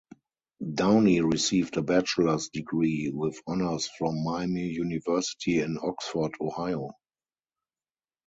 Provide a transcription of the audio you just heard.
Downey received a bachelor's degree with honors from Miami University in Oxford, Ohio.